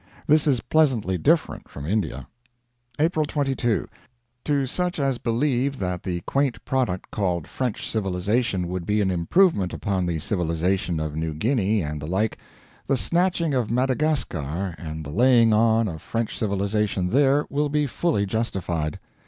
This is pleasantly different from India. April 22. To such as believe that the quaint product called French civilization would be an improvement upon the civilization of New Guinea and the like, the snatching of Madagascar and the laying on of French civilization there will be fully justified.